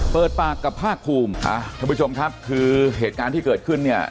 เปิดปากกับภาคภูมิท่านผู้ชมครับคือเหตุการณ์ที่เกิดขึ้นเนี่ย